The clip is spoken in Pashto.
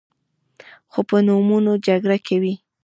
خو په نومونو جګړه کوي.